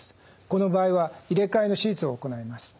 この場合は入れ替えの手術を行います。